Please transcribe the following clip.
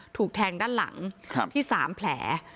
ถูกแทงด้านหลังที่๓แผล